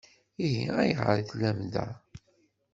Ihi ayɣer i tellam da?